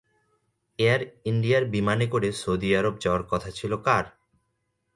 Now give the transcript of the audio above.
Air ইন্ডিয়ার বিমানে করে সৌদি আরব যাওয়ার কথা ছিল কার?